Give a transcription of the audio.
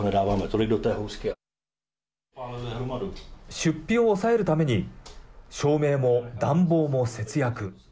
出費を抑えるために照明も暖房も節約。